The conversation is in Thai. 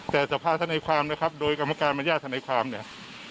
แต่สภาธนายความนะครับโดยกรรมการบรรยาทนายความเนี่ย